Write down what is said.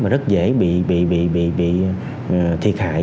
rất dễ bị thiệt hại